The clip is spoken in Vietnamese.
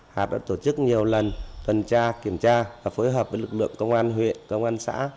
hà đã tổ chức nhiều lần tuần tra kiểm tra và phối hợp với lực lượng công an huyện công an xã